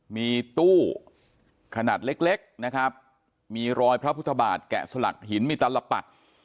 มีตู้ขนาดเล็กเล็กนะครับมีรอยพระพุทธบาทแกะสลักหินมีตลปัด